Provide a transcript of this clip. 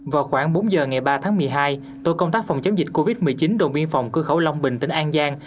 vào khoảng bốn giờ ngày ba tháng một mươi hai tổ công tác phòng chống dịch covid một mươi chín đồn biên phòng cơ khẩu long bình tỉnh an giang